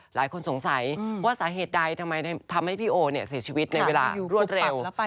หลายคนสงสัยว่าสาเหตุใดทำไมทำให้พี่โอเสียชีวิตในเวลารวดเร็ว